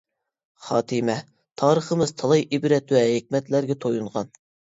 خاتىمە: تارىخىمىز تالاي ئىبرەت ۋە ھېكمەتلەرگە تويۇنغان!